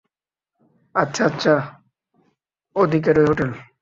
আচ্ছা আচ্ছা, ওদিকেরই হোটেল।